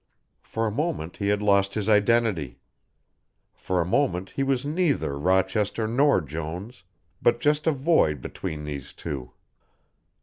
For a moment he had lost his identity. For a moment he was neither Rochester nor Jones, but just a void between these two.